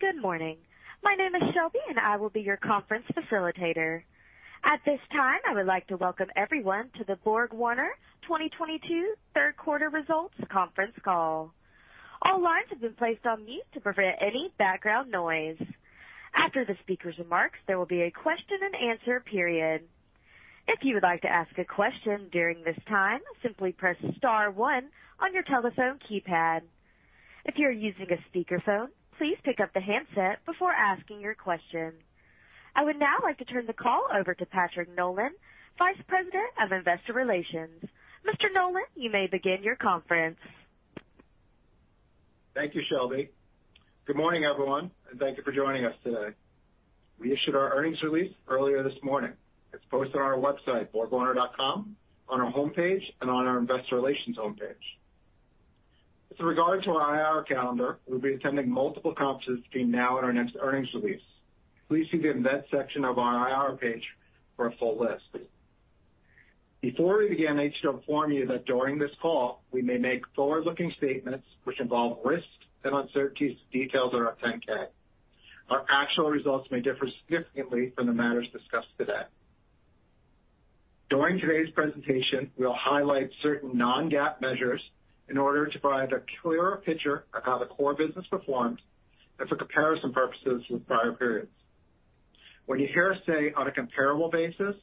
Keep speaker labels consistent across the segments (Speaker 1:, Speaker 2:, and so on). Speaker 1: Good morning. My name is Shelby, and I will be your conference facilitator. At this time, I would like to welcome everyone to the BorgWarner 2022 third quarter results conference call. All lines have been placed on mute to prevent any background noise. After the speaker's remarks, there will be a question and answer period. If you would like to ask a question during this time, simply press star one on your telephone keypad. If you're using a speaker phone, please pick up the handset before asking your question. I would now like to turn the call over to Patrick Nolan, Vice President of Investor Relations. Mr. Nolan, you may begin your conference.
Speaker 2: Thank you, Shelby. Good morning, everyone, and thank you for joining us today. We issued our earnings release earlier this morning. It's posted on our website, borgwarner.com, on our homepage and on our investor relations homepage. With regard to our IR calendar, we'll be attending multiple conferences between now and our next earnings release. Please see the invest section of our IR page for a full list. Before we begin, I need to inform you that during this call, we may make forward-looking statements which involve risks and uncertainties detailed in our 10-K. Our actual results may differ significantly from the matters discussed today. During today's presentation, we'll highlight certain non-GAAP measures in order to provide a clearer picture of how the core business performs and for comparison purposes with prior periods. When you hear us say, "On a comparable basis,"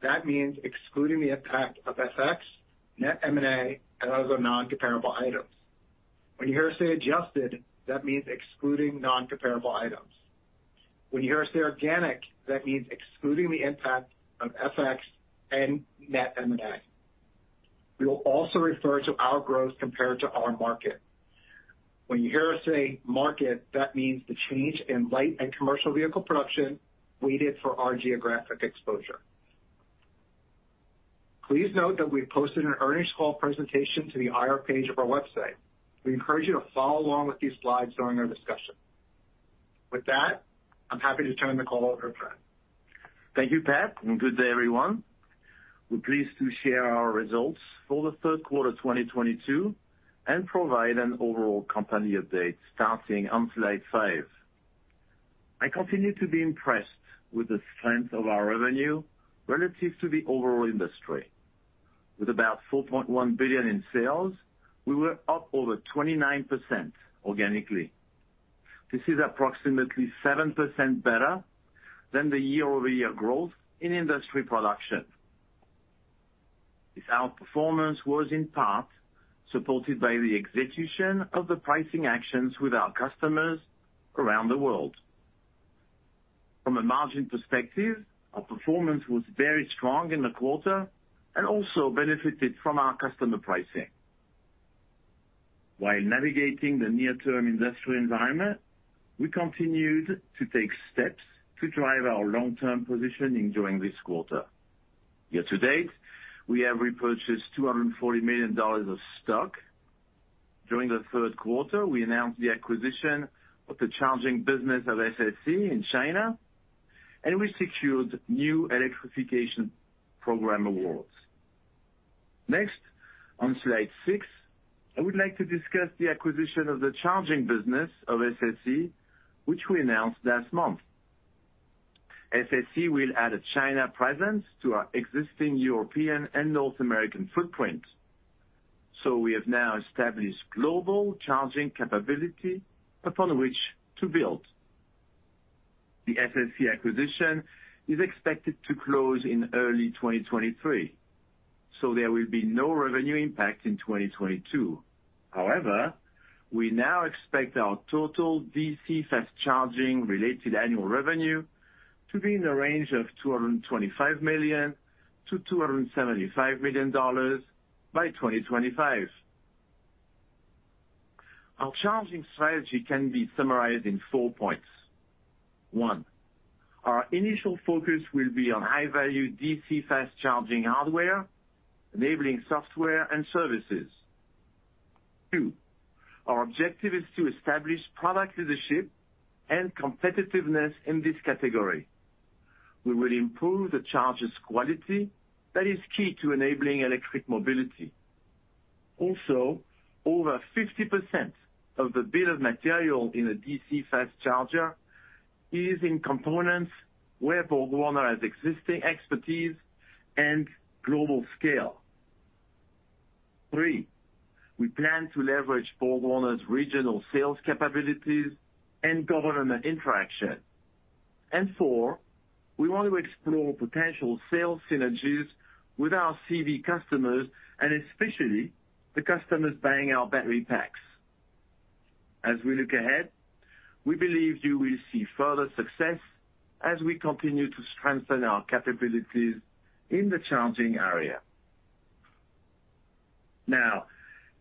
Speaker 2: that means excluding the impact of FX, net M&A, and other non-comparable items. When you hear us say, "Adjusted," that means excluding non-comparable items. When you hear us say, "Organic," that means excluding the impact of FX and net M&A. We will also refer to our growth compared to our market. When you hear us say, "Market," that means the change in light and commercial vehicle production weighted for our geographic exposure. Please note that we've posted an earnings call presentation to the IR page of our website. We encourage you to follow along with these slides during our discussion. With that, I'm happy to turn the call over to Fred.
Speaker 3: Thank you, Pat, and good day, everyone. We're pleased to share our results for the third quarter of 2022 and provide an overall company update starting on slide five. I continue to be impressed with the strength of our revenue relative to the overall industry. With about $4.1 billion in sales, we were up over 29% organically. This is approximately 7% better than the year-over-year growth in industry production. This outperformance was in part supported by the execution of the pricing actions with our customers around the world. From a margin perspective, our performance was very strong in the quarter and also benefited from our customer pricing. While navigating the near-term industrial environment, we continued to take steps to drive our long-term positioning during this quarter. Year to date, we have repurchased $240 million of stock. During the third quarter, we announced the acquisition of the charging business of SSE in China, and we secured new electrification program awards. Next, on slide six, I would like to discuss the acquisition of the charging business of SSE, which we announced last month. SSE will add a China presence to our existing European and North American footprint. We have now established global charging capability upon which to build. The SSE acquisition is expected to close in early 2023, so there will be no revenue impact in 2022. However, we now expect our total DC fast charging related annual revenue to be in the range of $225 million-$275 million by 2025. Our charging strategy can be summarized in four points. One, our initial focus will be on high-value DC fast charging hardware, enabling software and services. Two, our objective is to establish product leadership and competitiveness in this category. We will improve the charger's quality that is key to enabling electric mobility. Also, over 50% of the bill of material in a DC fast charger is in components where BorgWarner has existing expertise and global scale. Three, we plan to leverage BorgWarner's regional sales capabilities and government interaction. Four, we want to explore potential sales synergies with our CV customers and especially the customers buying our battery packs. As we look ahead, we believe you will see further success as we continue to strengthen our capabilities in the charging area. Now,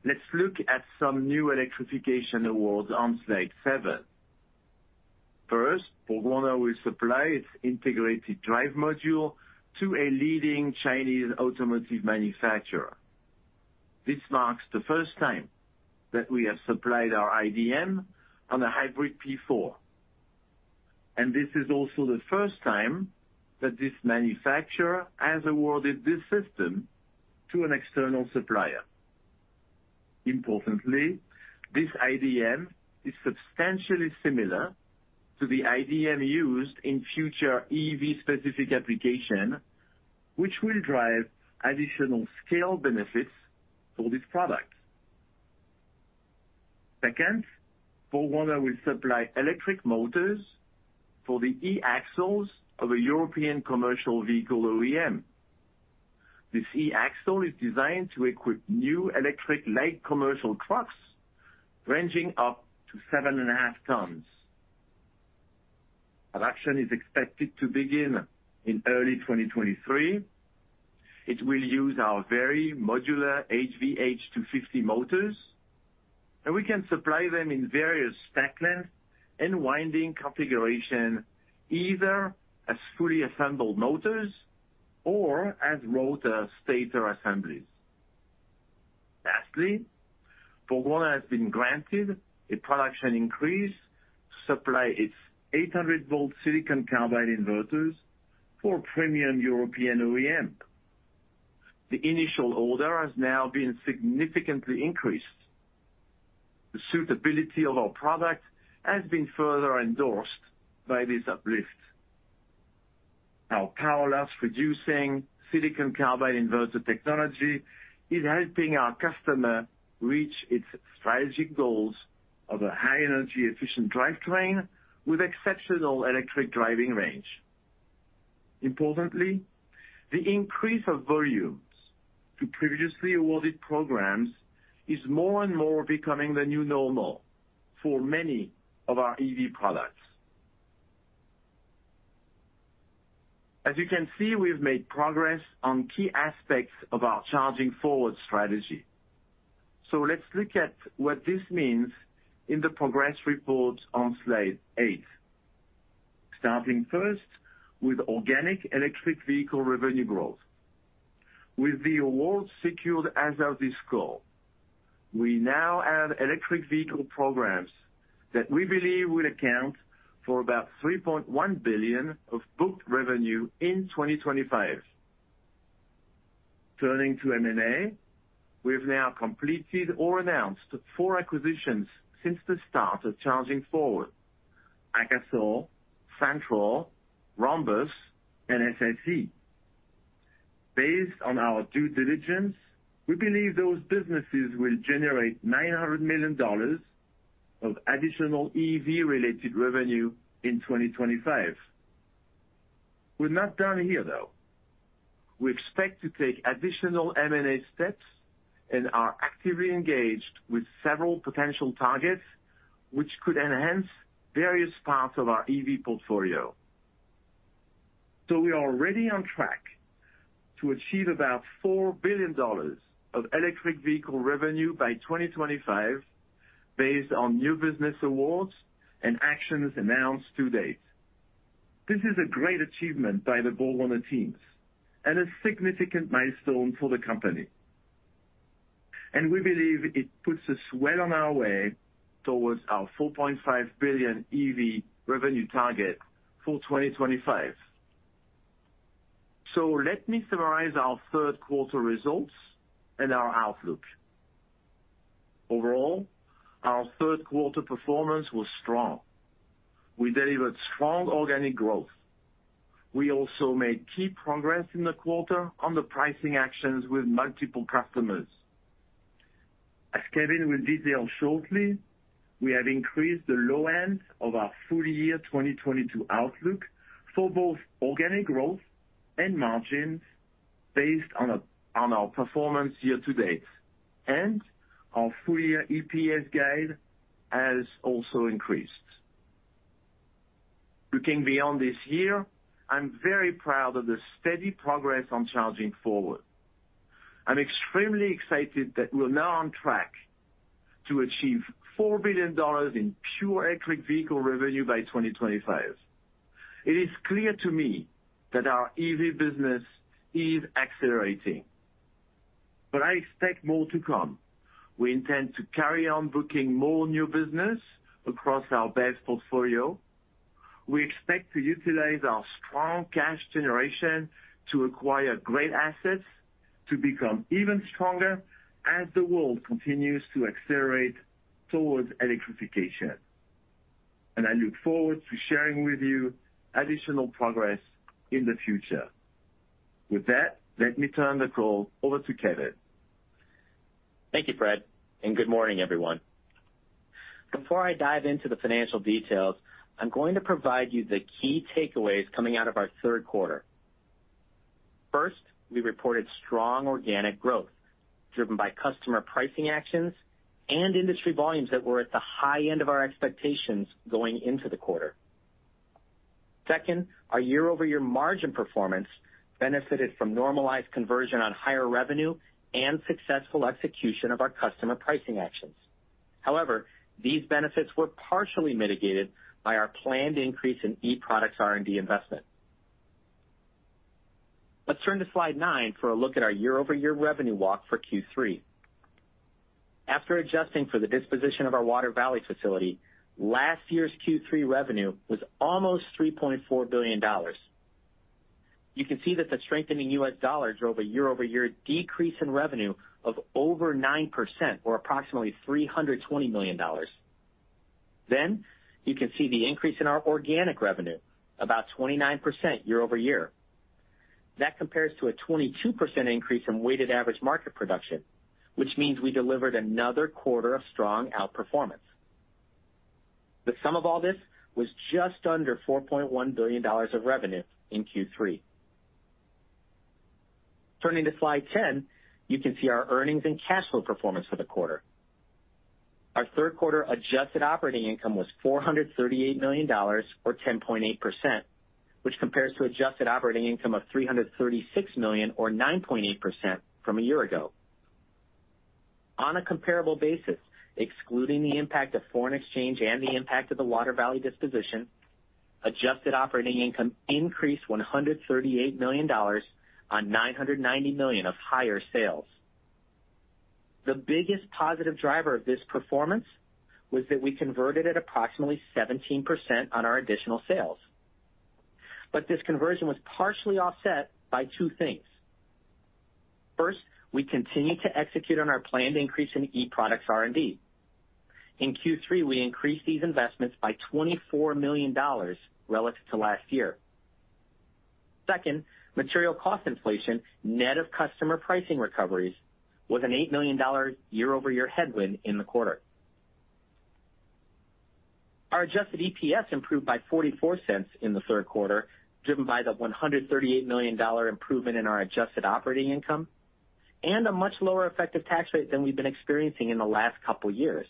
Speaker 3: let's look at some new electrification awards on slide seven. First, BorgWarner will supply its integrated drive module to a leading Chinese automotive manufacturer. This marks the first time that we have supplied our IDM on a hybrid P4. This is also the first time that this manufacturer has awarded this system to an external supplier. Importantly, this IDM is substantially similar to the IDM used in future EV specific application, which will drive additional scale benefits for this product. Second, BorgWarner will supply electric motors for the e-axles of a European commercial vehicle OEM. This e-axle is designed to equip new electric light commercial trucks ranging up to 7.5 tons. Production is expected to begin in early 2023. It will use our very modular HVH 250 motors, and we can supply them in various stack lengths and winding configuration, either as fully assembled motors or as rotor stator assemblies. Lastly, BorgWarner has been granted a production increase to supply its 800V silicon carbide inverters for premium European OEM. The initial order has now been significantly increased. The suitability of our product has been further endorsed by this uplift. Our power loss reducing silicon carbide inverter technology is helping our customer reach its strategic goals of a high energy efficient drivetrain with exceptional electric driving range. Importantly, the increase of volumes to previously awarded programs is more and more becoming the new normal for many of our EV products. As you can see, we've made progress on key aspects of our Charging Forward strategy. Let's look at what this means in the progress report on slide eight, starting first with organic electric vehicle revenue growth. With the awards secured as of this call, we now have electric vehicle programs that we believe will account for about $3.1 billion of booked revenue in 2025. Turning to M&A, we have now completed or announced four acquisitions since the start of Charging Forward, AKASOL, Santroll, Rhombus, and SSE. Based on our due diligence, we believe those businesses will generate $900 million of additional EV-related revenue in 2025. We're not done here, though. We expect to take additional M&A steps and are actively engaged with several potential targets, which could enhance various parts of our EV portfolio. We are already on track to achieve about $4 billion of electric vehicle revenue by 2025 based on new business awards and actions announced to date. This is a great achievement by the BorgWarner teams and a significant milestone for the company. We believe it puts us well on our way towards our $4.5 billion EV revenue target for 2025. Let me summarize our third quarter results and our outlook. Overall, our third quarter performance was strong. We delivered strong organic growth. We also made key progress in the quarter on the pricing actions with multiple customers. As Kevin will detail shortly, we have increased the low end of our full year 2022 outlook for both organic growth and margins based on our performance year to date, and our full year EPS guide has also increased. Looking beyond this year, I'm very proud of the steady progress on Charging Forward. I'm extremely excited that we're now on track to achieve $4 billion in pure electric vehicle revenue by 2025. It is clear to me that our EV business is accelerating, but I expect more to come. We intend to carry on booking more new business across our base portfolio. We expect to utilize our strong cash generation to acquire great assets to become even stronger as the world continues to accelerate towards electrification. I look forward to sharing with you additional progress in the future. With that, let me turn the call over to Kevin.
Speaker 4: Thank you, Fred, and good morning, everyone. Before I dive into the financial details, I'm going to provide you the key takeaways coming out of our third quarter. First, we reported strong organic growth driven by customer pricing actions and industry volumes that were at the high end of our expectations going into the quarter. Second, our year-over-year margin performance benefited from normalized conversion on higher revenue and successful execution of our customer pricing actions. However, these benefits were partially mitigated by our planned increase in e-products R&D investment. Let's turn to slide nine for a look at our year-over-year revenue walk for Q3. After adjusting for the disposition of our Water Valley facility, last year's Q3 revenue was almost $3.4 billion. You can see that the strengthening US dollar drove a year-over-year decrease in revenue of over 9% or approximately $320 million. You can see the increase in our organic revenue, about 29% year-over-year. That compares to a 22% increase in weighted average market production, which means we delivered another quarter of strong outperformance. The sum of all this was just under $4.1 billion of revenue in Q3. Turning to slide 10, you can see our earnings and cash flow performance for the quarter. Our third quarter adjusted operating income was $438 million or 10.8%, which compares to adjusted operating income of $336 million or 9.8% from a year ago. On a comparable basis, excluding the impact of foreign exchange and the impact of the Water Valley disposition, adjusted operating income increased $138 million on $990 million of higher sales. The biggest positive driver of this performance was that we converted at approximately 17% on our additional sales. This conversion was partially offset by two things. First, we continued to execute on our planned increase in e-products R&D. In Q3, we increased these investments by $24 million relative to last year. Second, material cost inflation, net of customer pricing recoveries, was an $8 million year-over-year headwind in the quarter. Our adjusted EPS improved by $0.44 in the third quarter, driven by the $138 million improvement in our adjusted operating income and a much lower effective tax rate than we've been experiencing in the last couple years.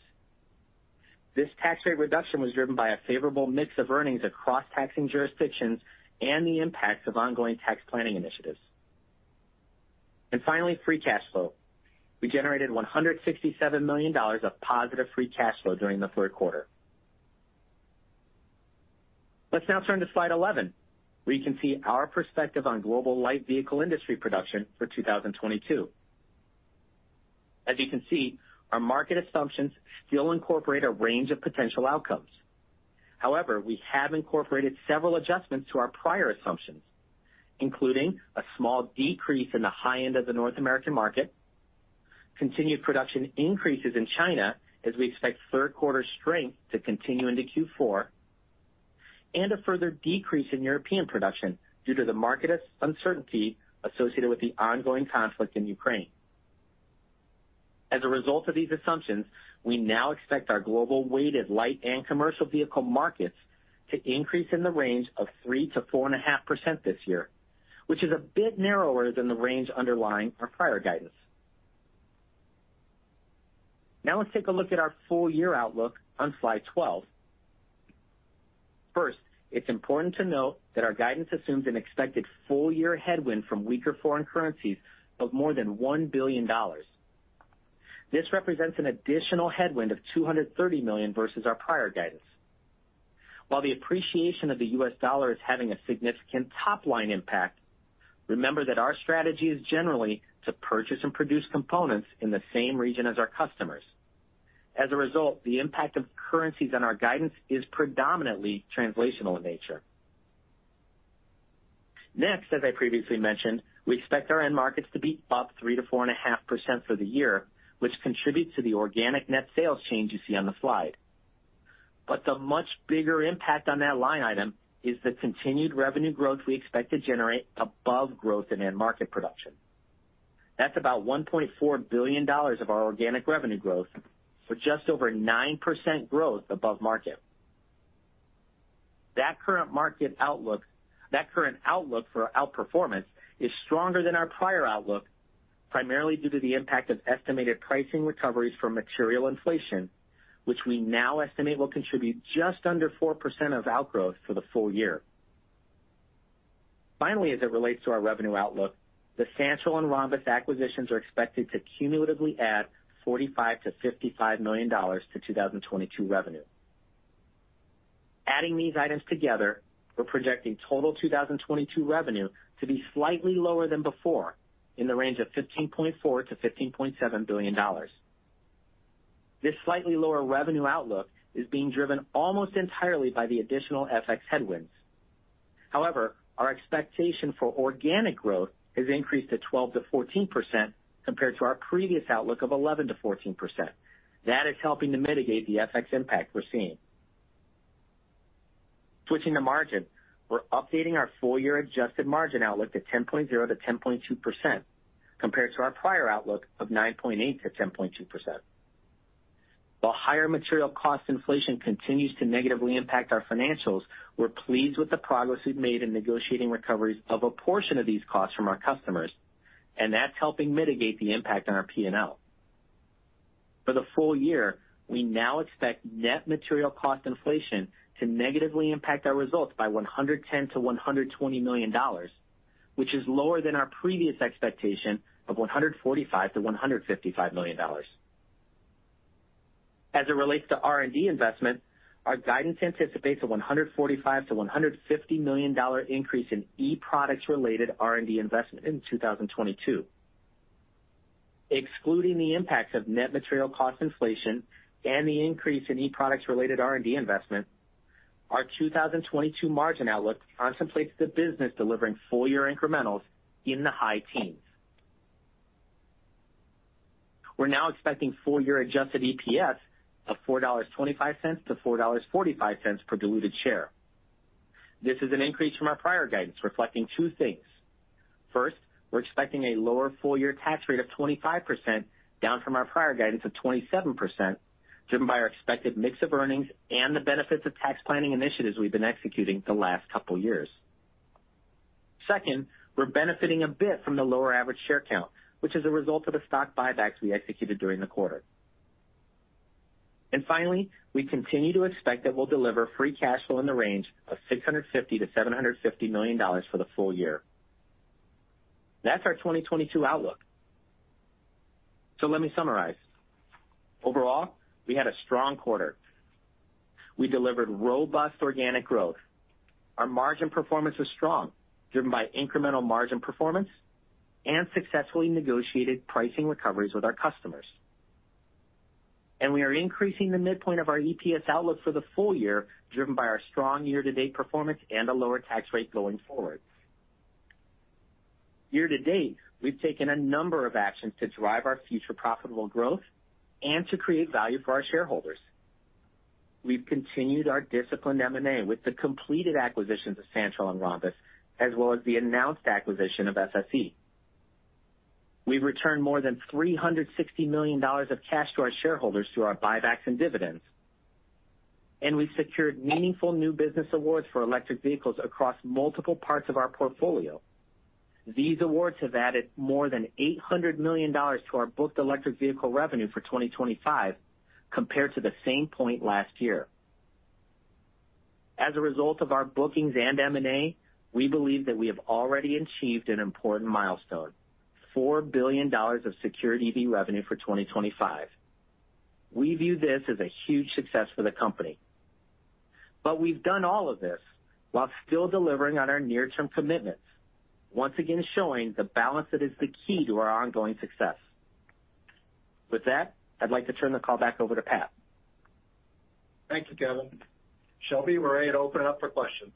Speaker 4: This tax rate reduction was driven by a favorable mix of earnings across taxing jurisdictions and the impacts of ongoing tax planning initiatives. Finally, free cash flow. We generated $167 million of positive free cash flow during the third quarter. Let's now turn to slide 11, where you can see our perspective on global light vehicle industry production for 2022. As you can see, our market assumptions still incorporate a range of potential outcomes. However, we have incorporated several adjustments to our prior assumptions, including a small decrease in the high end of the North American market, continued production increases in China as we expect third quarter strength to continue into Q4, and a further decrease in European production due to the market uncertainty associated with the ongoing conflict in Ukraine. As a result of these assumptions, we now expect our global weighted light and commercial vehicle markets to increase in the range of 3%-4.5% this year, which is a bit narrower than the range underlying our prior guidance. Now let's take a look at our full year outlook on slide 12. First, it's important to note that our guidance assumes an expected full year headwind from weaker foreign currencies of more than $1 billion. This represents an additional headwind of $230 million versus our prior guidance. While the appreciation of the U.S. dollar is having a significant top-line impact, remember that our strategy is generally to purchase and produce components in the same region as our customers. As a result, the impact of currencies on our guidance is predominantly translational in nature. Next, as I previously mentioned, we expect our end markets to be up 3%-4.5% for the year, which contributes to the organic net sales change you see on the slide. The much bigger impact on that line item is the continued revenue growth we expect to generate above growth in end market production. That's about $1.4 billion of our organic revenue growth, for just over 9% growth above market. That current outlook for outperformance is stronger than our prior outlook, primarily due to the impact of estimated pricing recoveries from material inflation, which we now estimate will contribute just under 4% of outgrowth for the full year. Finally, as it relates to our revenue outlook, the Santroll and Rhombus acquisitions are expected to cumulatively add $45 million-$55 million to 2022 revenue. Adding these items together, we're projecting total 2022 revenue to be slightly lower than before in the range of $15.4 billion-$15.7 billion. This slightly lower revenue outlook is being driven almost entirely by the additional FX headwinds. However, our expectation for organic growth has increased to 12%-14% compared to our previous outlook of 11%-14%. That is helping to mitigate the FX impact we're seeing. Switching to margin, we're updating our full year adjusted margin outlook to 10.0%-10.2% compared to our prior outlook of 9.8%-10.2%. While higher material cost inflation continues to negatively impact our financials, we're pleased with the progress we've made in negotiating recoveries of a portion of these costs from our customers, and that's helping mitigate the impact on our P&L. For the full year, we now expect net material cost inflation to negatively impact our results by $110 million-$120 million, which is lower than our previous expectation of $145 million-$155 million. As it relates to R&D investment, our guidance anticipates a $145 million-$150 million increase in e-products related R&D investment in 2022. Excluding the impacts of net material cost inflation and the increase in e-products related R&D investment, our 2022 margin outlook contemplates the business delivering full year incremental in the high teens. We're now expecting full year adjusted EPS of $4.25-$4.45 per diluted share. This is an increase from our prior guidance, reflecting two things. First, we're expecting a lower full year tax rate of 25%, down from our prior guidance of 27%, driven by our expected mix of earnings and the benefits of tax planning initiatives we've been executing the last couple years. Second, we're benefiting a bit from the lower average share count, which is a result of the stock buybacks we executed during the quarter. Finally, we continue to expect that we'll deliver free cash flow in the range of $650 million-$750 million for the full year. That's our 2022 outlook. Let me summarize. Overall, we had a strong quarter. We delivered robust organic growth. Our margin performance was strong, driven by incremental margin performance and successfully negotiated pricing recoveries with our customers. We are increasing the midpoint of our EPS outlook for the full year, driven by our strong year-to-date performance and a lower tax rate going forward. Year to date, we've taken a number of actions to drive our future profitable growth and to create value for our shareholders. We've continued our disciplined M&A with the completed acquisitions of Santroll and Rhombus, as well as the announced acquisition of FSE. We've returned more than $360 million of cash to our shareholders through our buybacks and dividends, and we've secured meaningful new business awards for electric vehicles across multiple parts of our portfolio. These awards have added more than $800 million to our booked electric vehicle revenue for 2025 compared to the same point last year. As a result of our bookings and M&A, we believe that we have already achieved an important milestone, $4 billion of secured EV revenue for 2025. We view this as a huge success for the company, but we've done all of this while still delivering on our near-term commitments, once again showing the balance that is the key to our ongoing success. With that, I'd like to turn the call back over to Pat.
Speaker 2: Thank you, Kevin. Shelby, we're ready to open up for questions.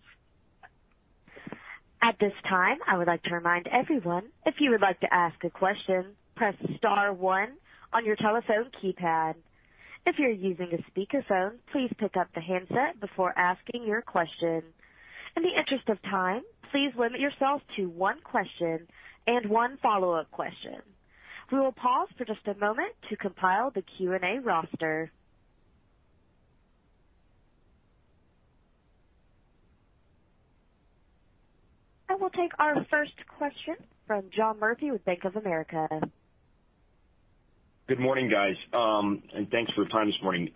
Speaker 1: At this time, I would like to remind everyone, if you would like to ask a question, press star one on your telephone keypad. If you're using a speakerphone, please pick up the handset before asking your question. In the interest of time, please limit yourself to one question and one follow-up question. We will pause for just a moment to compile the Q&A roster. I will take our first question from John Murphy with Bank of America.
Speaker 5: Good morning, guys, and thanks for the time this morning.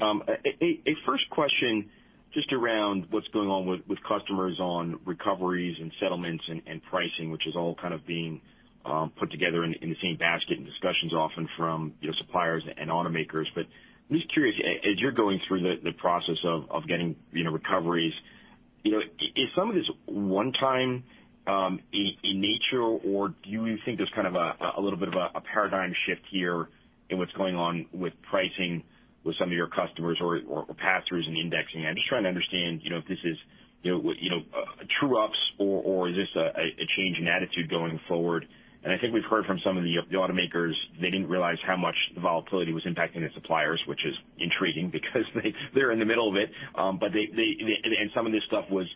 Speaker 5: First question just around what's going on with customers on recoveries and settlements and pricing, which is all kind of being put together in the same basket in discussions often from, you know, suppliers and automakers. I'm just curious, as you're going through the process of getting, you know, recoveries, you know, is some of this one-time in nature, or do you think there's kind of a little bit of a paradigm shift here in what's going on with pricing with some of your customers or pass-throughs and indexing? I'm just trying to understand, you know, if this is, you know, true ups or is this a change in attitude going forward? I think we've heard from some of the automakers, they didn't realize how much the volatility was impacting their suppliers, which is intriguing because they're in the middle of it. But some of this stuff was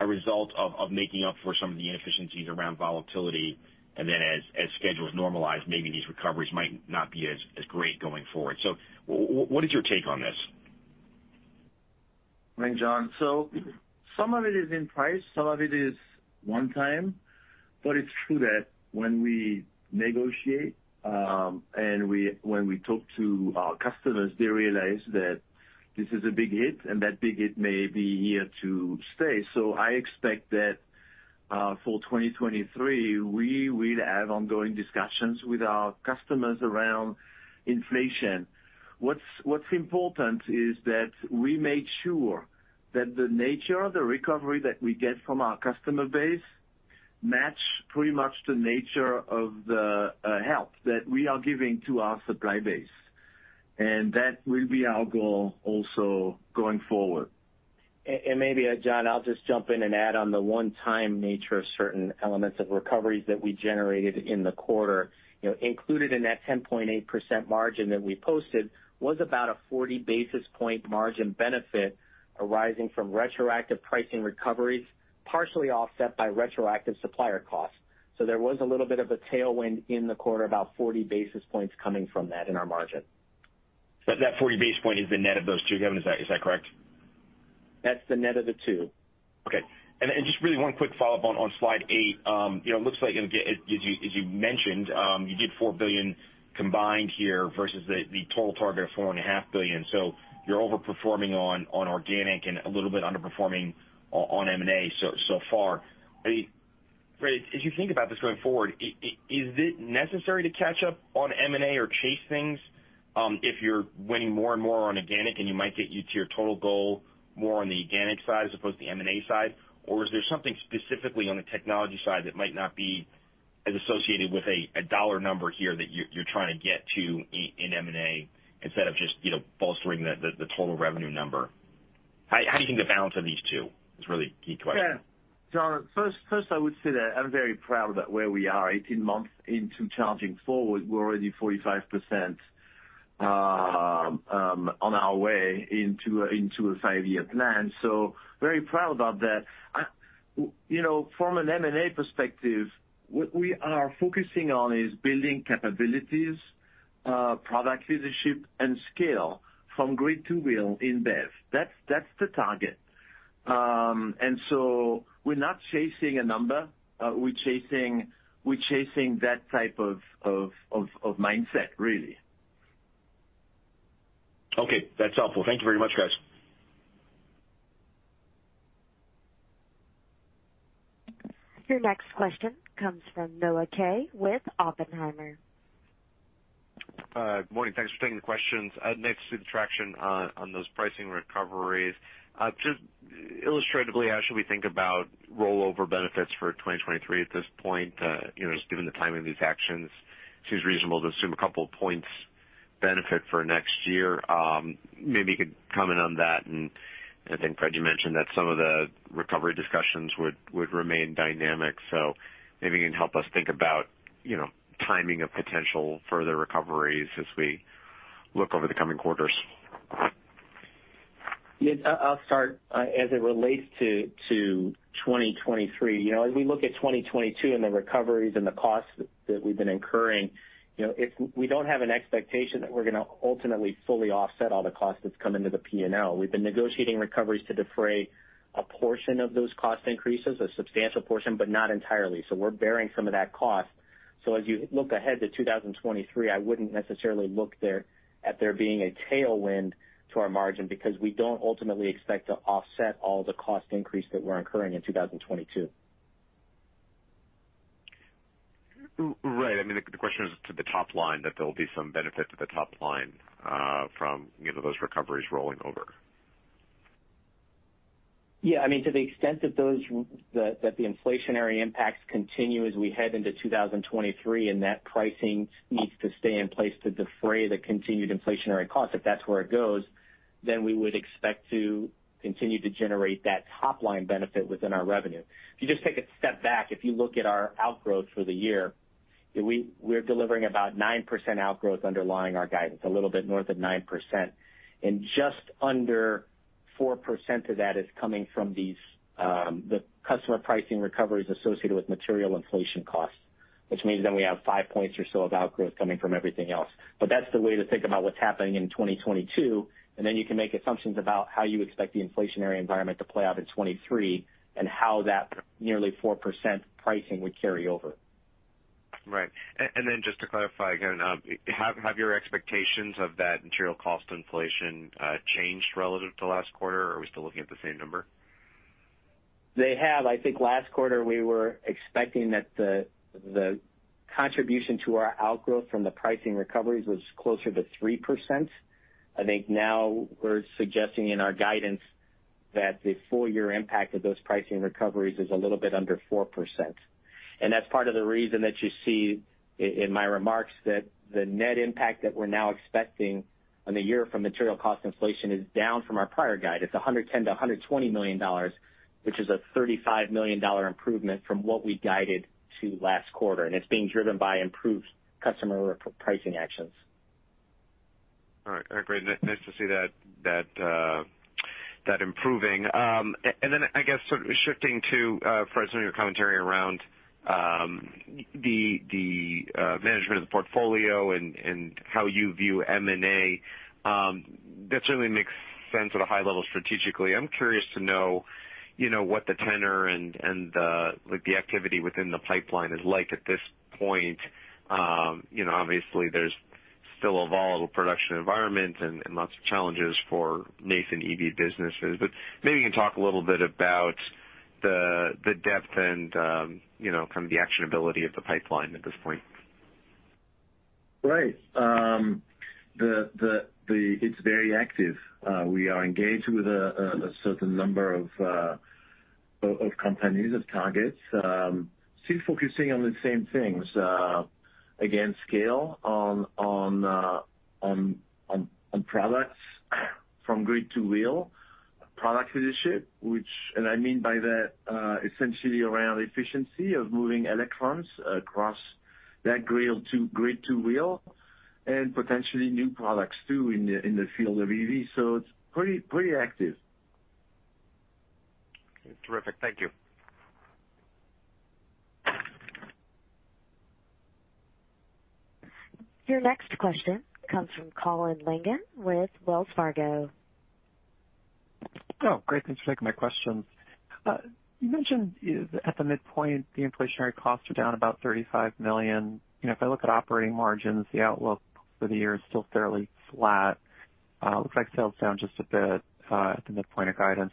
Speaker 5: a result of making up for some of the inefficiencies around volatility. As schedules normalize, maybe these recoveries might not be as great going forward. What is your take on this?
Speaker 3: Good morning, John. Some of it is in price, some of it is one time. It's true that when we negotiate, when we talk to our customers, they realize that this is a big hit and that big hit may be here to stay. I expect that, for 2023, we will have ongoing discussions with our customers around inflation. What's important is that we make sure that the nature of the recovery that we get from our customer base match pretty much the nature of the help that we are giving to our supply base, and that will be our goal also going forward. And maybe, John, I'll just jump in and add on the one-time nature of certain elements of recoveries that we generated in the quarter.
Speaker 4: You know, included in that 10.8% margin that we posted was about a 40 basis point margin benefit arising from retroactive pricing recoveries, partially offset by retroactive supplier costs. There was a little bit of a tailwind in the quarter, about 40 basis points coming from that in our margin.
Speaker 5: That 40 basis points is the net of those two, Kevin, is that correct?
Speaker 4: That's the net of the two.
Speaker 5: Okay. Just really one quick follow-up on slide eight. You know, it looks like as you mentioned, you did $4 billion combined here versus the total target of $4.5 billion. You're overperforming on organic and a little bit underperforming on M&A so far. Right. If you think about this going forward, is it necessary to catch up on M&A or chase things, if you're winning more and more on organic and you might get you to your total goal more on the organic side as opposed to the M&A side? Is there something specifically on the technology side that might not be as associated with a dollar number here that you're trying to get to in M&A instead of just, you know, bolstering the total revenue number? How do you think the balance of these two is really key question?
Speaker 3: Yeah. John, first I would say that I'm very proud about where we are 18 months into Charging Forward. We're already 45% on our way into a five-year plan, so very proud about that. You know, from an M&A perspective, what we are focusing on is building capabilities, product leadership and scale from grid to wheel in BEV. That's the target. We're not chasing a number, we're chasing that type of mindset really.
Speaker 5: Okay, that's helpful. Thank you very much, guys.
Speaker 1: Your next question comes from Noah Kaye with Oppenheimer.
Speaker 6: Good morning. Thanks for taking the questions. Next to the traction on those pricing recoveries, just illustratively, how should we think about rollover benefits for 2023 at this point, you know, just given the timing of these actions? Seems reasonable to assume a couple points benefit for next year. Maybe you could comment on that, and I think Frédéric Lissalde, you mentioned that some of the recovery discussions would remain dynamic. Maybe you can help us think about, you know, timing of potential further recoveries as we look over the coming quarters.
Speaker 4: Yes. I'll start. As it relates to 2023, you know, as we look at 2022 and the recoveries and the costs that we've been incurring, you know, we don't have an expectation that we're gonna ultimately fully offset all the costs that's come into the P&L. We've been negotiating recoveries to defray a portion of those cost increases, a substantial portion, but not entirely. We're bearing some of that cost. As you look ahead to 2023, I wouldn't necessarily look there at there being a tailwind to our margin because we don't ultimately expect to offset all the cost increase that we're incurring in 2022.
Speaker 6: Right. I mean, the question is to the top line that there'll be some benefit to the top line from, you know, those recoveries rolling over.
Speaker 4: Yeah. I mean, to the extent that those that the inflationary impacts continue as we head into 2023, and that pricing needs to stay in place to defray the continued inflationary costs, if that's where it goes, then we would expect to continue to generate that top line benefit within our revenue. If you just take a step back, if you look at our outgrowth for the year, we're delivering about 9% outgrowth underlying our guidance, a little bit north of 9%. Just under 4% of that is coming from these, the customer pricing recoveries associated with material inflation costs, which means then we have five points or so of outgrowth coming from everything else. That's the way to think about what's happening in 2022, and then you can make assumptions about how you expect the inflationary environment to play out in 2023 and how that nearly 4% pricing would carry over.
Speaker 6: Right. Just to clarify again, have your expectations of that material cost inflation changed relative to last quarter, or are we still looking at the same number?
Speaker 4: They have. I think last quarter we were expecting that the contribution to our outgrowth from the pricing recoveries was closer to 3%. I think now we're suggesting in our guidance that the full year impact of those pricing recoveries is a little bit under 4%. That's part of the reason that you see in my remarks that the net impact that we're now expecting on the year from material cost inflation is down from our prior guide. It's $110 million-$120 million, which is a $35 million improvement from what we guided to last quarter. It's being driven by improved customer pricing actions.
Speaker 6: All right, great. Nice to see that improving. Then I guess sort of shifting to Fred, some of your commentary around the management of the portfolio and how you view M&A, that certainly makes sense at a high level strategically. I'm curious to know, you know, what the tenor and like the activity within the pipeline is like at this point. You know, obviously there's still a volatile production environment and lots of challenges for NAS and EV businesses. Maybe you can talk a little bit about the depth and, you know, kind of the actionability of the pipeline at this point.
Speaker 3: Right. It's very active. We are engaged with a certain number of companies, of targets. Still focusing on the same things. Again, scale on products from grid to wheel. Product leadership, which, and I mean by that, essentially around efficiency of moving electrons across that grid to wheel and potentially new products too in the field of EV. It's pretty active.
Speaker 6: Terrific. Thank you.
Speaker 1: Your next question comes from Colin Langan with Wells Fargo.
Speaker 7: Oh, great. Thanks for taking my questions. You mentioned at the midpoint, the inflationary costs are down about $35 million. You know, if I look at operating margins, the outlook for the year is still fairly flat. Looks like sales down just a bit at the midpoint of guidance.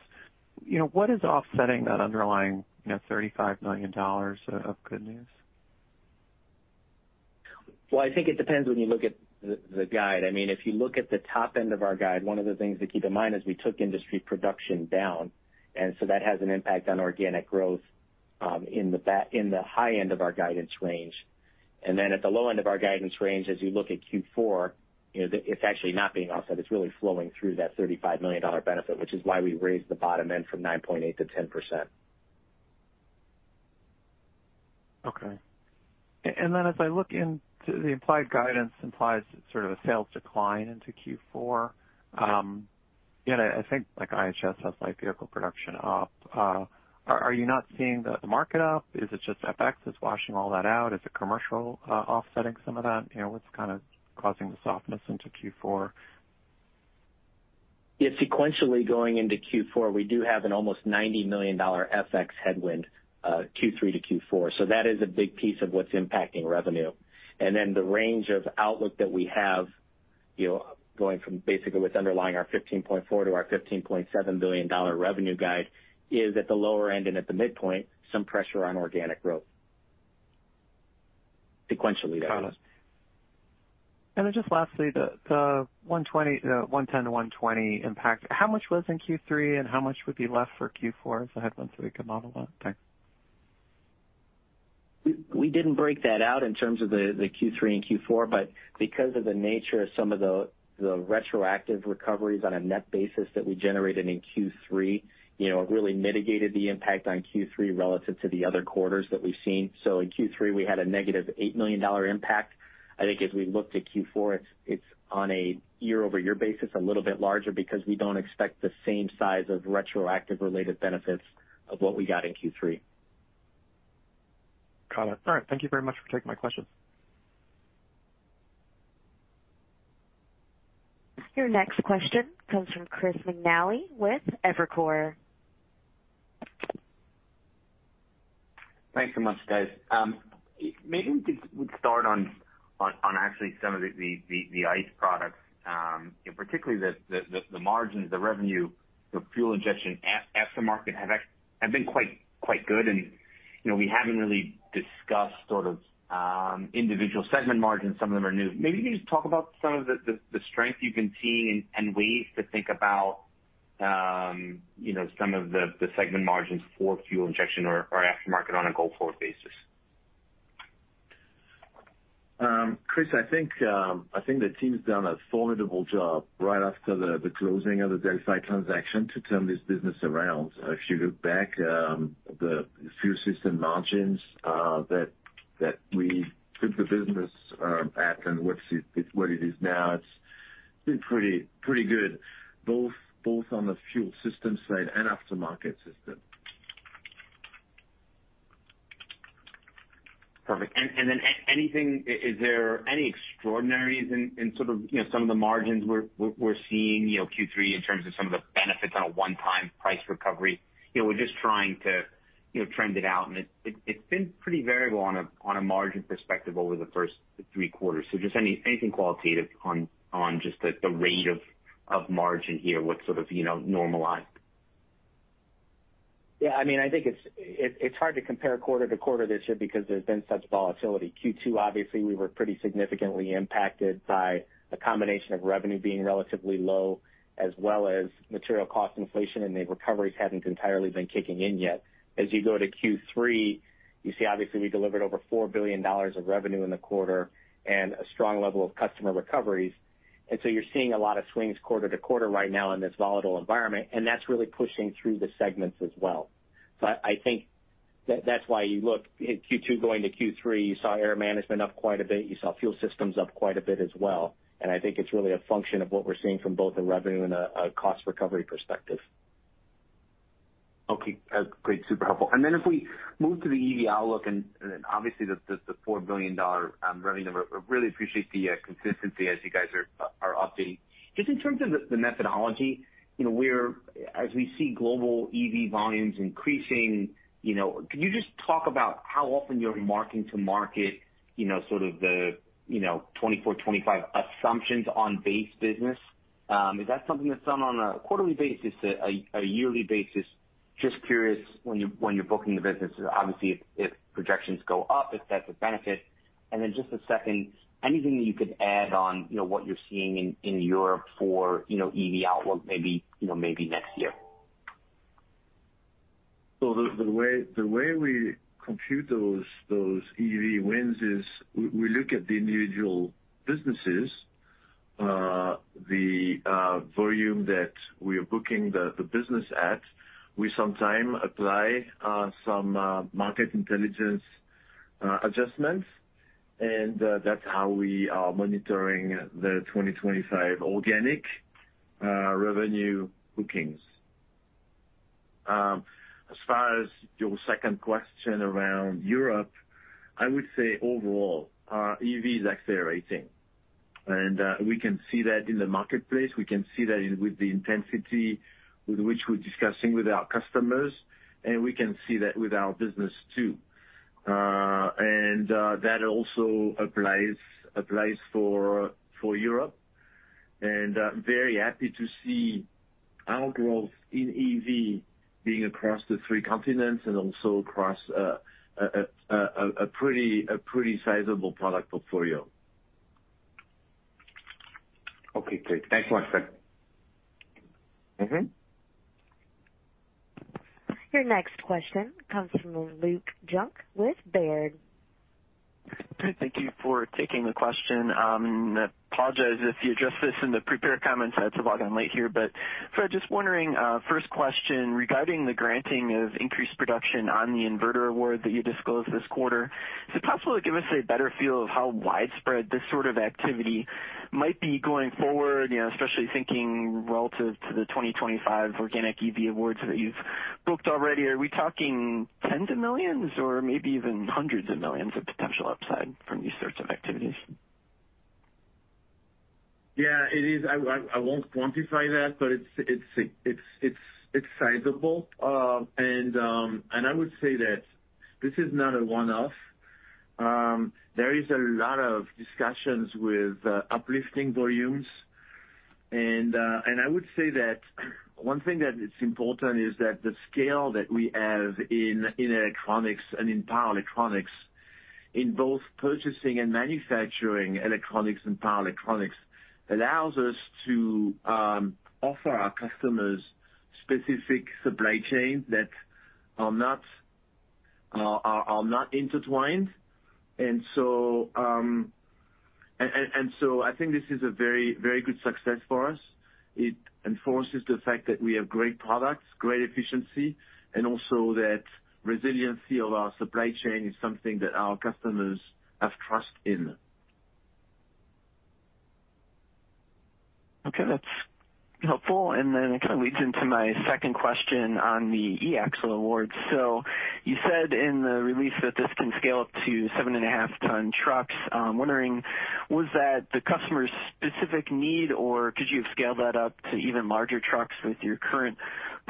Speaker 7: You know, what is offsetting that underlying, you know, $35 million of good news?
Speaker 4: Well, I think it depends when you look at the guide. I mean, if you look at the top end of our guide, one of the things to keep in mind is we took industry production down, and so that has an impact on organic growth in the high end of our guidance range. At the low end of our guidance range, as you look at Q4, you know, it's actually not being offset. It's really flowing through that $35 million benefit, which is why we raised the bottom end from 9.8%-10%.
Speaker 7: Okay. As I look into the implied guidance implies sort of a sales decline into Q4. You know, I think like IHS has light vehicle production up. Are you not seeing the market up? Is it just FX that's washing all that out? Is it commercial offsetting some of that? You know, what's kind of causing the softness into Q4?
Speaker 4: Yeah, sequentially going into Q4, we do have an almost $90 million FX headwind, Q3 to Q4, so that is a big piece of what's impacting revenue. Then the range of outlook that we have, you know, going from basically what's underlying our $15.4-$15.7 billion revenue guide is at the lower end and at the midpoint, some pressure on organic growth. Sequentially, that is.
Speaker 7: Got it. Just lastly, the $110-$120 impact, how much was in Q3, and how much would be left for Q4 as a headwind so we can model that? Thanks.
Speaker 4: We didn't break that out in terms of the Q3 and Q4, but because of the nature of some of the retroactive recoveries on a net basis that we generated in Q3, you know, it really mitigated the impact on Q3 relative to the other quarters that we've seen. In Q3, we had a negative $8 million impact. I think as we look to Q4, it's on a year-over-year basis a little bit larger because we don't expect the same size of retroactive related benefits of what we got in Q3.
Speaker 7: Got it. All right. Thank you very much for taking my questions.
Speaker 1: Your next question comes from Chris McNally with Evercore.
Speaker 8: Thanks so much, guys. Maybe we could start on actually some of the ICE products, particularly the margins, the revenue for fuel injection aftermarket have been quite good and, you know, we haven't really discussed sort of individual segment margins. Some of them are new. Maybe can you just talk about some of the strength you've been seeing and ways to think about, you know, some of the segment margins for fuel injection or aftermarket on a go-forward basis.
Speaker 3: Chris, I think the team's done a formidable job right after the closing of the Delphi transaction to turn this business around. If you look back, the Fuel Systems margins that we took the business at and what it is now, it's been pretty good, both on the Fuel Systems side and aftermarket system.
Speaker 8: Perfect. Then is there anything extraordinaries in sort of, you know, some of the margins we're seeing, you know, Q3 in terms of some of the benefits on a one-time price recovery? You know, we're just trying to, you know, trend it out and it's been pretty variable on a margin perspective over the first three quarters. Just anything qualitative on just the rate of margin here, what's sort of, you know, normalized.
Speaker 4: Yeah, I mean, I think it's hard to compare quarter to quarter this year because there's been such volatility. Q2, obviously, we were pretty significantly impacted by a combination of revenue being relatively low as well as material cost inflation, and the recoveries hadn't entirely been kicking in yet. As you go to Q3, you see obviously we delivered over $4 billion of revenue in the quarter and a strong level of customer recoveries. You're seeing a lot of swings quarter to quarter right now in this volatile environment, and that's really pushing through the segments as well. I think that's why you look Q2 going to Q3, you saw Air Management up quite a bit. You saw Fuel Systems up quite a bit as well. I think it's really a function of what we're seeing from both a revenue and a cost recovery perspective.
Speaker 8: Okay. Great. Super helpful. Then if we move to the EV outlook and obviously the $4 billion revenue number, I really appreciate the consistency as you guys are updating. Just in terms of the methodology, you know, as we see global EV volumes increasing, you know, can you just talk about how often you're marking to market, you know, sort of the 2024, 2025 assumptions on base business? Is that something that's done on a quarterly basis, a yearly basis? Just curious when you're booking the business, obviously, if projections go up, if that's a benefit. Then just a second, anything you could add on, you know, what you're seeing in Europe for EV outlook maybe, you know, maybe next year.
Speaker 3: The way we compute those EV wins is we look at the individual businesses, the volume that we are booking the business at. We sometimes apply some market intelligence adjustments, and that's how we are monitoring the 2025 organic revenue bookings. As far as your second question around Europe, I would say overall, EV is accelerating. We can see that in the marketplace. We can see that with the intensity with which we're discussing with our customers, and we can see that with our business too. That also applies for Europe. I'm very happy to see our growth in EV being across the three continents and also across a pretty sizable product portfolio.
Speaker 8: Okay, great. Thanks a lot, Fred.
Speaker 3: Mm-hmm.
Speaker 1: Your next question comes from Luke Junk with Baird.
Speaker 9: Great. Thank you for taking the question. Apologize if you addressed this in the prepared comments. I had to log on late here. Fred, just wondering, first question regarding the granting of increased production on the inverter award that you disclosed this quarter, is it possible to give us a better feel of how widespread this sort of activity might be going forward, you know, especially thinking relative to the 2025 organic EV awards that you've booked already? Are we talking $10s of millions or maybe even $100s of millions of potential upside from these sorts of activities?
Speaker 3: Yeah, it is. I won't quantify that, but it's sizable. I would say that this is not a one-off. There is a lot of discussions with uplifting volumes. I would say that one thing that is important is that the scale that we have in electronics and in power electronics, in both purchasing and manufacturing electronics and power electronics, allows us to offer our customers specific supply chains that are not intertwined. I think this is a very good success for us. It enforces the fact that we have great products, great efficiency, and also that resiliency of our supply chain is something that our customers have trust in.
Speaker 9: Okay, that's helpful. It kind of leads into my second question on the e-axle award. You said in the release that this can scale up to 7.5-ton trucks. Wondering was that the customer's specific need, or could you have scaled that up to even larger trucks with your current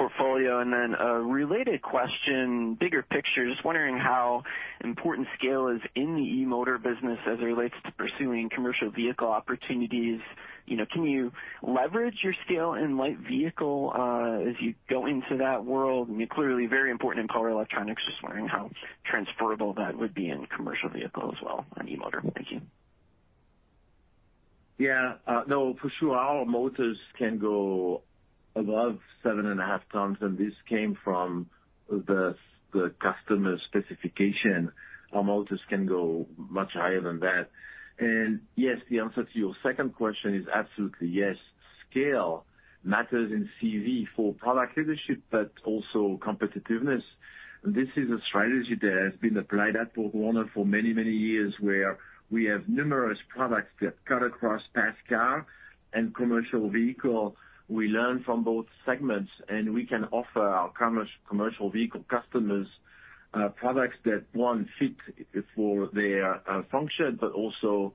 Speaker 9: portfolio? A related question, bigger picture, just wondering how important scale is in the e-motor business as it relates to pursuing commercial vehicle opportunities. You know, can you leverage your scale in light vehicle as you go into that world? I mean, clearly very important in power electronics. Just wondering how transferable that would be in commercial vehicle as well on e-motor. Thank you.
Speaker 3: Yeah. No, for sure our motors can go above 7.5 tons, and this came from the customer specification. Our motors can go much higher than that. Yes, the answer to your second question is absolutely yes. Scale matters in CV for product leadership, but also competitiveness. This is a strategy that has been applied at BorgWarner for many, many years, where we have numerous products that cut across passenger car and commercial vehicle. We learn from both segments, and we can offer our commercial vehicle customers products that, one, fit for their function, but also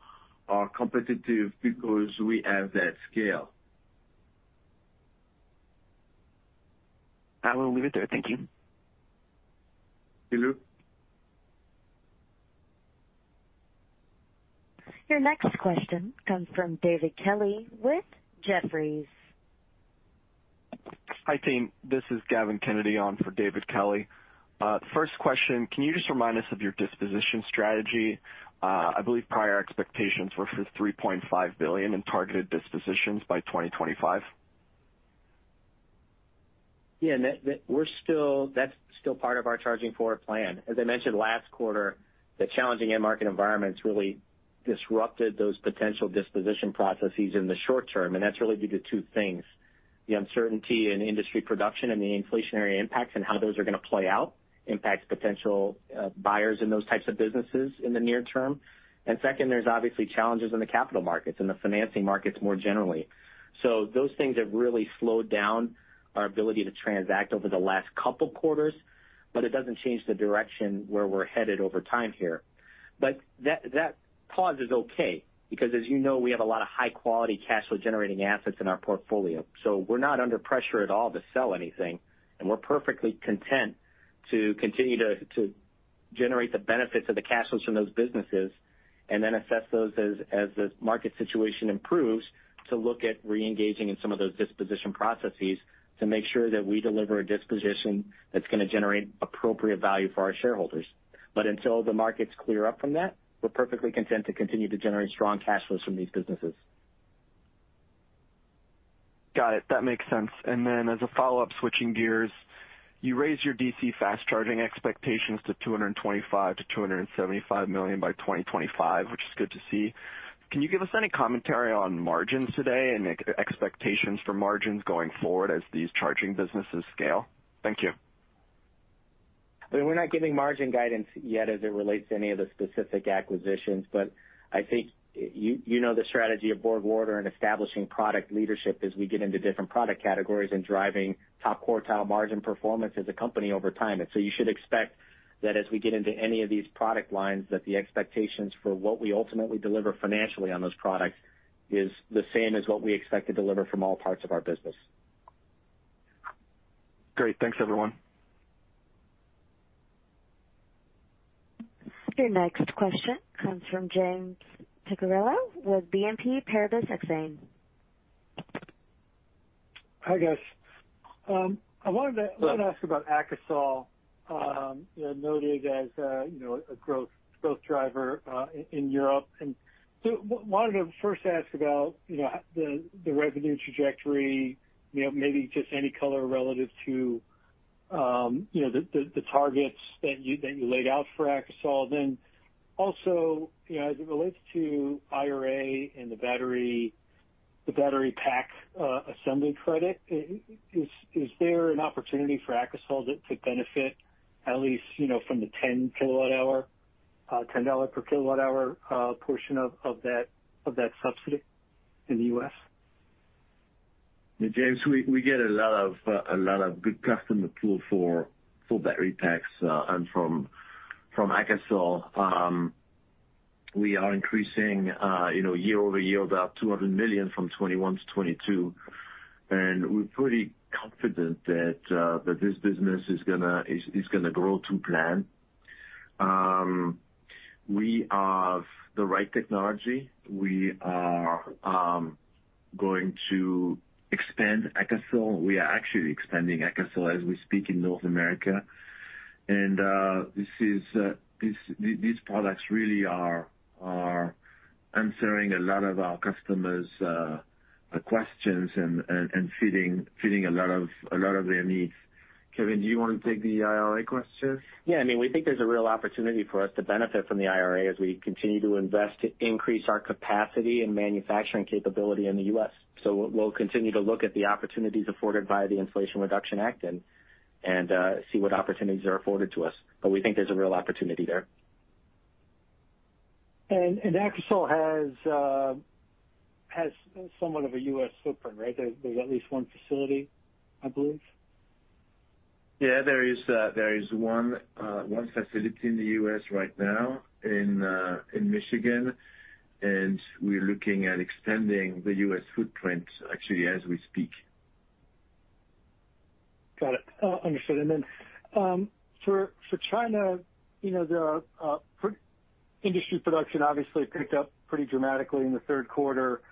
Speaker 3: are competitive because we have that scale.
Speaker 9: I will leave it there. Thank you.
Speaker 3: Thank you.
Speaker 1: Your next question comes from David Kelley with Jefferies.
Speaker 10: Hi, team. This is Gavin Kennedy on for David Kelley. First question, can you just remind us of your disposition strategy? I believe prior expectations were for $3.5 billion in targeted dispositions by 2025.
Speaker 4: Yeah, that. That's still part of our Charging Forward plan. As I mentioned last quarter, the challenging end market environment's really disrupted those potential disposition processes in the short term, and that's really due to two things, the uncertainty in industry production and the inflationary impacts and how those are gonna play out, impacts potential buyers in those types of businesses in the near term. Second, there's obviously challenges in the capital markets and the financing markets more generally. Those things have really slowed down our ability to transact over the last couple quarters, but it doesn't change the direction where we're headed over time here. That pause is okay because as you know, we have a lot of high quality cash flow generating assets in our portfolio. We're not under pressure at all to sell anything, and we're perfectly content to continue to generate the benefits of the cash flows from those businesses and then assess those as the market situation improves to look at re-engaging in some of those disposition processes to make sure that we deliver a disposition that's gonna generate appropriate value for our shareholders. Until the markets clear up from that, we're perfectly content to continue to generate strong cash flows from these businesses.
Speaker 10: Got it. That makes sense. As a follow-up, switching gears, you raised your DC fast charging expectations to $225 million-$275 million by 2025, which is good to see. Can you give us any commentary on margins today and expectations for margins going forward as these charging businesses scale? Thank you.
Speaker 4: I mean, we're not giving margin guidance yet as it relates to any of the specific acquisitions, but I think you know the strategy of BorgWarner in establishing product leadership as we get into different product categories and driving top quartile margin performance as a company over time. You should expect that as we get into any of these product lines, that the expectations for what we ultimately deliver financially on those products is the same as what we expect to deliver from all parts of our business.
Speaker 10: Great. Thanks, everyone.
Speaker 1: Your next question comes from James Picariello with BNP Paribas Exane.
Speaker 11: Hi, guys. I wanted to
Speaker 3: Hello.
Speaker 11: I wanted to ask about AKASOL, you know, noted as a growth driver in Europe. Wanted to first ask about the revenue trajectory, you know, maybe just any color relative to the targets that you laid out for AKASOL. Then also, you know, as it relates to IRA and the battery pack assembly credit, is there an opportunity for AKASOL that could benefit at least, you know, from the 10 kWh, $10 per kWh portion of that subsidy in the U.S?
Speaker 3: Yeah, James, we get a lot of good customer pull for battery packs and from AKASOL. We are increasing, you know, year-over-year about $200 million from 2021 to 2022. We're pretty confident that this business is gonna grow to plan. We have the right technology. We are going to expand AKASOL. We are actually expanding AKASOL as we speak in North America. These products really are answering a lot of our customers' questions and feeding a lot of their needs. Kevin, do you wanna take the IRA question?
Speaker 4: Yeah. I mean, we think there's a real opportunity for us to benefit from the IRA as we continue to invest to increase our capacity and manufacturing capability in the U.S. We'll continue to look at the opportunities afforded by the Inflation Reduction Act and see what opportunities are afforded to us. We think there's a real opportunity there.
Speaker 11: AKASOL has somewhat of a U.S. footprint, right? There's at least one facility, I believe.
Speaker 3: Yeah. There is one facility in the U.S. right now in Michigan, and we're looking at extending the U.S. footprint actually as we speak.
Speaker 11: Got it. Understood. For China, you know, the industry production obviously picked up pretty dramatically in the third quarter.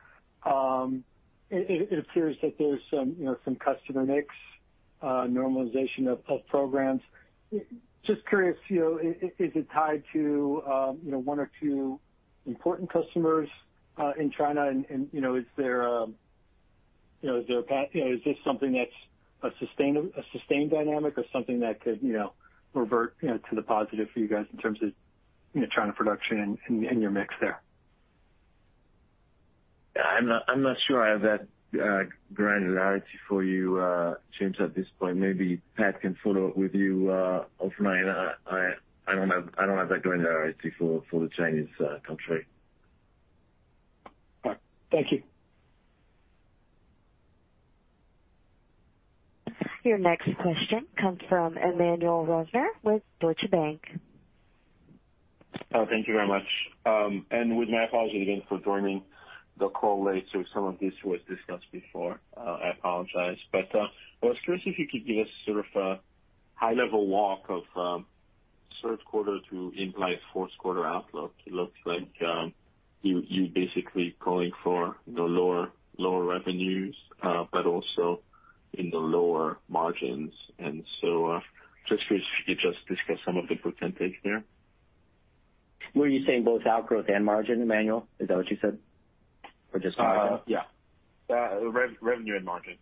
Speaker 11: It appears that there's some, you know, some customer mix normalization of programs. Just curious, you know, is it tied to, you know, one or two important customers in China? You know, is this something that's a sustained dynamic or something that could, you know, revert, you know, to the positive for you guys in terms of, you know, China production and your mix there?
Speaker 3: Yeah. I'm not sure I have that granularity for you, James, at this point. Maybe Pat can follow up with you offline. I don't have that granularity for the Chinese country.
Speaker 11: All right. Thank you.
Speaker 1: Your next question comes from Emmanuel Rosner with Deutsche Bank.
Speaker 12: Oh, thank you very much. With my apologies again for joining the call late, so some of this was discussed before. I apologize. I was curious if you could give us sort of a high-level walk of third quarter to implied fourth quarter outlook. It looks like you basically calling for lower revenues, but also in the lower margins. Just curious if you could just discuss some of the potential there.
Speaker 4: Were you saying both outgrowth and margin, Emmanuel? Is that what you said? Or just margin?
Speaker 12: Yeah. Revenue and margin.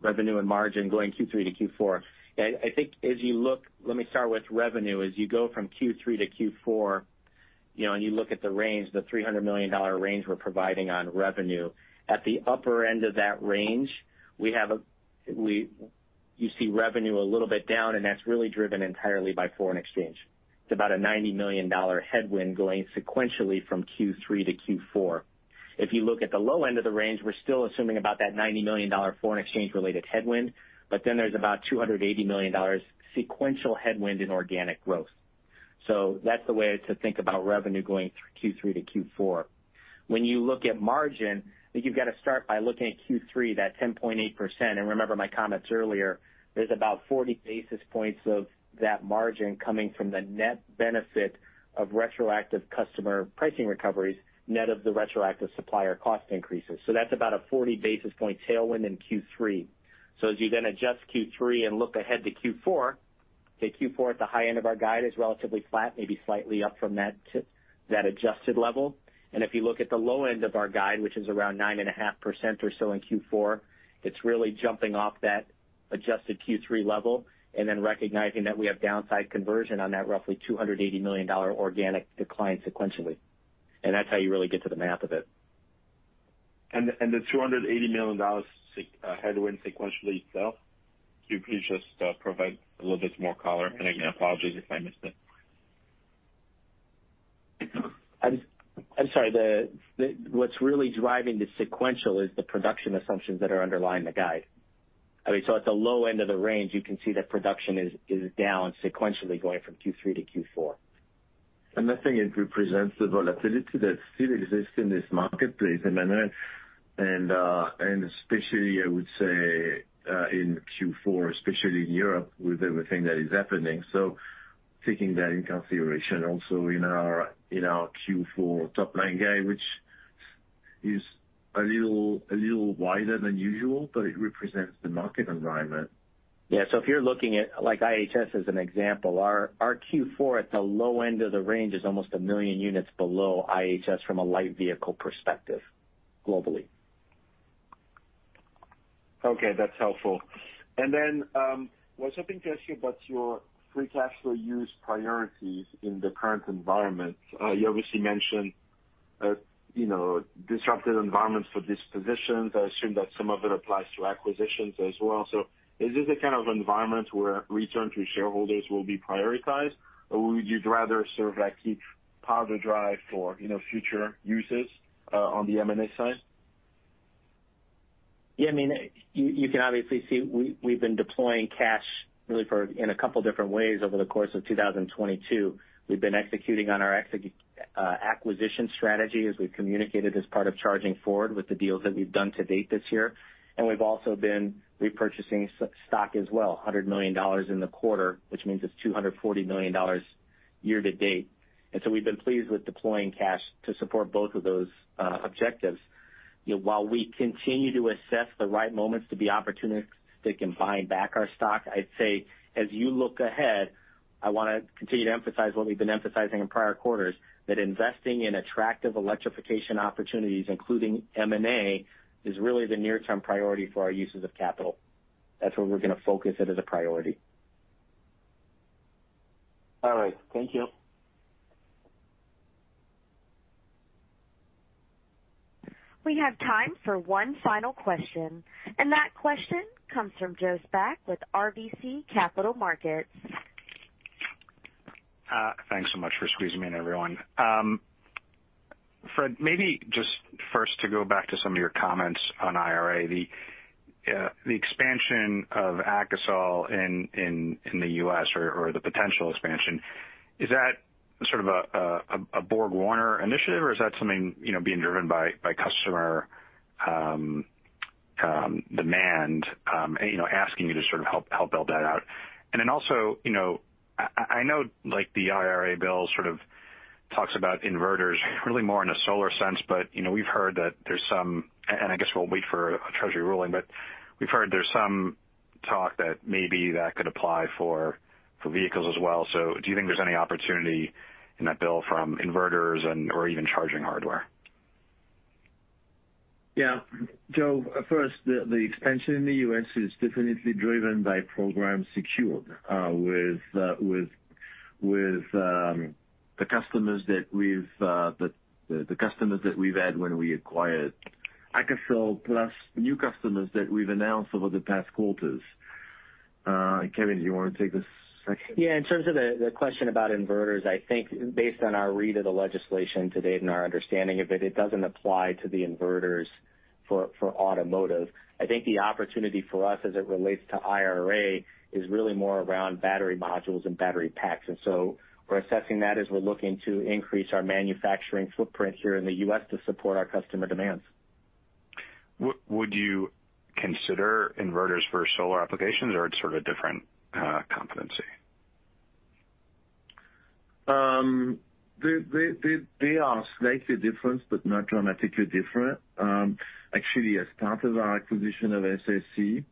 Speaker 4: Revenue and margin going Q3 to Q4. Yeah, I think. Let me start with revenue. As you go from Q3 to Q4, you know, and you look at the range, the $300 million range we're providing on revenue, at the upper end of that range, you see revenue a little bit down, and that's really driven entirely by foreign exchange. It's about a $90 million headwind going sequentially from Q3 to Q4. If you look at the low end of the range, we're still assuming about that $90 million foreign exchange related headwind, but then there's about $280 million sequential headwind in organic growth. That's the way to think about revenue going through Q3 to Q4. When you look at margin, I think you've got to start by looking at Q3, that 10.8%, and remember my comments earlier. There's about 40 basis points of that margin coming from the net benefit of retroactive customer pricing recoveries, net of the retroactive supplier cost increases. That's about a 40 basis point tailwind in Q3. As you then adjust Q3 and look ahead to Q4, the Q4 at the high end of our guide is relatively flat, maybe slightly up from that to that adjusted level. If you look at the low end of our guide, which is around 9.5% or so in Q4, it's really jumping off that adjusted Q3 level and then recognizing that we have downside conversion on that roughly $280 million organic decline sequentially. That's how you really get to the math of it.
Speaker 12: The $280 million headwind sequentially itself, could you please just provide a little bit more color? Again, apologies if I missed it.
Speaker 4: I'm sorry. What's really driving the sequential is the production assumptions that are underlying the guide. I mean, at the low end of the range, you can see that production is down sequentially going from Q3 to Q4.
Speaker 3: I think it represents the volatility that still exists in this marketplace, and especially, I would say, in Q4, especially in Europe with everything that is happening. Taking that in consideration also in our Q4 top line guide, which is a little wider than usual, but it represents the market environment.
Speaker 4: If you're looking at like IHS as an example, our Q4 at the low end of the range is almost 1 million units below IHS from a light vehicle perspective globally.
Speaker 12: Okay, that's helpful. I was hoping to ask you about your free cash flow use priorities in the current environment. You obviously mentioned, you know, disruptive environments for dispositions. I assume that some of it applies to acquisitions as well. Is this the kind of environment where return to shareholders will be prioritized, or would you rather sort of like keep powder dry for, you know, future uses on the M&A side?
Speaker 4: Yeah, I mean, you can obviously see we've been deploying cash really in a couple different ways over the course of 2022. We've been executing on our acquisition strategy as we've communicated as part of Charging Forward with the deals that we've done to date this year. We've also been repurchasing stock as well, $100 million in the quarter, which means it's $240 million year to date. We've been pleased with deploying cash to support both of those objectives. You know, while we continue to assess the right moments to be opportunistic and buying back our stock, I'd say as you look ahead, I wanna continue to emphasize what we've been emphasizing in prior quarters, that investing in attractive electrification opportunities, including M&A, is really the near-term priority for our uses of capital. That's where we're gonna focus it as a priority.
Speaker 12: All right. Thank you.
Speaker 1: We have time for one final question, and that question comes from Joseph Spak with RBC Capital Markets.
Speaker 13: Thanks so much for squeezing me in everyone. Fred, maybe just first to go back to some of your comments on IRA, the expansion of AKASOL in the U.S. or the potential expansion, is that sort of a BorgWarner initiative, or is that something, you know, being driven by customer demand, and, you know, asking you to sort of help build that out? Also, you know, I know like the IRA bill sort of talks about inverters really more in a solar sense, but, you know, we've heard that there's some and I guess we'll wait for a Treasury ruling, but we've heard there's some talk that maybe that could apply for vehicles as well. Do you think there's any opportunity in that bill from inverters and/or even charging hardware?
Speaker 3: Yeah. Joe, first, the expansion in the U.S. is definitely driven by programs secured with the customers that we've had when we acquired AKASOL plus new customers that we've announced over the past quarters. Kevin, do you wanna take this section?
Speaker 4: Yeah. In terms of the question about inverters, I think based on our read of the legislation to date and our understanding of it doesn't apply to the inverters for automotive. I think the opportunity for us as it relates to IRA is really more around battery modules and battery packs. We're assessing that as we're looking to increase our manufacturing footprint here in the U.S. to support our customer demands.
Speaker 13: Would you consider inverters for solar applications or it's sort of a different competency?
Speaker 3: They are slightly different but not dramatically different. Actually, as part of our acquisition of SSE,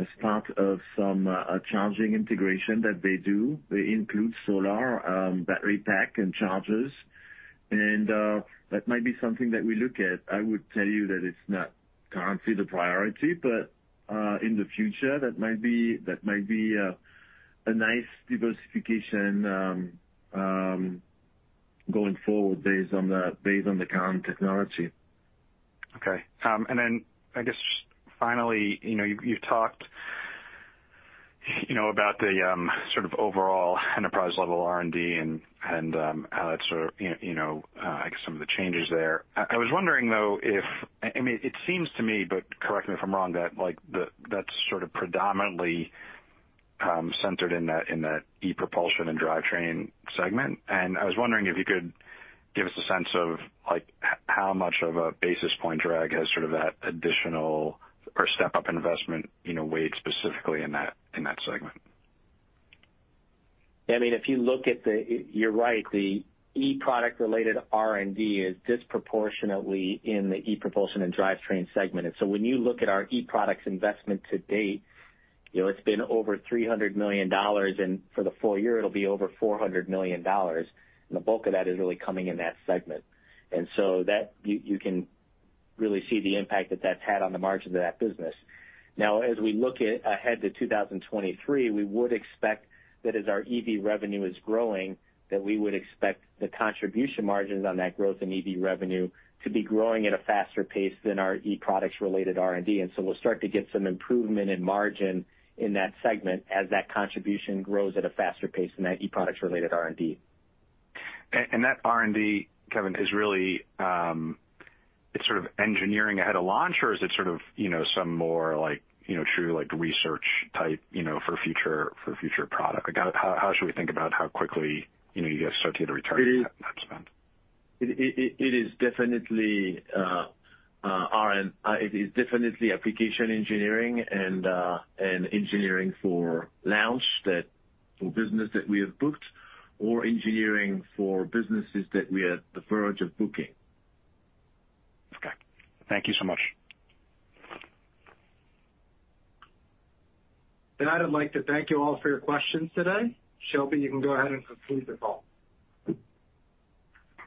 Speaker 3: as part of some charging integration that they do, they include solar, battery pack and chargers, and that might be something that we look at. I would tell you that it's not currently the priority, but in the future, that might be a nice diversification going forward based on the current technology.
Speaker 13: Okay. I guess finally, you know, you talked, you know, about the sort of overall enterprise level R&D and how that sort of, you know, I guess some of the changes there. I was wondering though if I mean, it seems to me, but correct me if I'm wrong, that like that's sort of predominantly centered in that e-propulsion and drivetrain segment. I was wondering if you could give us a sense of like how much of a basis point drag has sort of that additional or step up investment, you know, weighed specifically in that segment.
Speaker 4: I mean, if you look at the, you're right, the e-product related R&D is disproportionately in the e-Propulsion & Drivetrain segment. When you look at our e-products investment to date, you know, it's been over $300 million, and for the full year it'll be over $400 million, and the bulk of that is really coming in that segment. That you can really see the impact that that's had on the margins of that business. Now, as we look ahead to 2023, we would expect that as our EV revenue is growing, that we would expect the contribution margins on that growth in EV revenue to be growing at a faster pace than our e-products related R&D. We'll start to get some improvement in margin in that segment as that contribution grows at a faster pace than that e-products related R&D.
Speaker 13: That R&D, Kevin, is really, it's sort of engineering ahead of launch or is it sort of, you know, some more like, you know, true like research type, you know, for future product? Like, how should we think about how quickly, you know, you guys start to get a return on that spend?
Speaker 3: It is definitely application engineering and engineering for launch that for business that we have booked or engineering for businesses that we are at the verge of booking.
Speaker 13: Okay. Thank you so much.
Speaker 2: I'd like to thank you all for your questions today. Shelby, you can go ahead and conclude the call.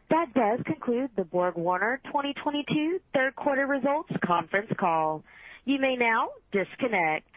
Speaker 1: That does conclude the BorgWarner 2022 third quarter results conference call. You may now disconnect.